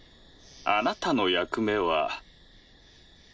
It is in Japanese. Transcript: あなたの役目は。